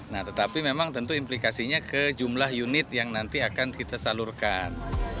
nah tetapi memang tentu implikasinya ke jumlah unit yang nanti akan kita salurkan